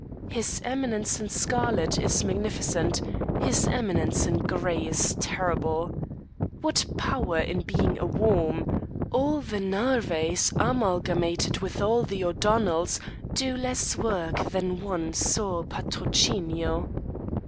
His Eminence in scarlet is magnificent; his Eminence in gray is terrible. What power in being a worm! All the Narvaez amalgamated with all the O'Donnells do less work than one Sõr Patrocinio.